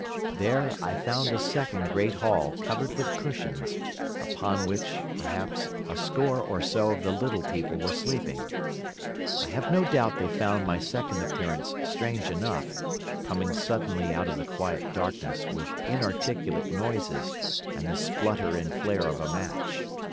"There I found a second great hall covered with cushions, upon which, perhaps, a score or so of the little people were sleeping. I have no doubt they found my second appearance strange enough, coming suddenly out of the quiet darkness with inarticulate noises and the splutter and flare of a match.